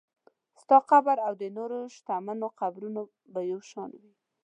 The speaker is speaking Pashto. ستاسو قبر او د نورو شتمنو قبرونه به یو شان وي.